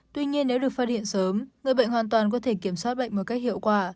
tuy nhiên nếu được phát hiện sớm người bệnh hoàn toàn có thể kiểm soát bệnh một cách hiệu quả